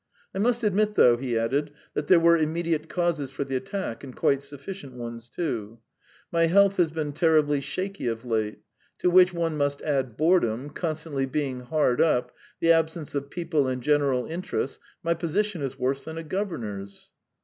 "I must admit, though," he added, "that there were immediate causes for the attack, and quite sufficient ones too. My health has been terribly shaky of late. To which one must add boredom, constantly being hard up ... the absence of people and general interests .... My position is worse than a governor's."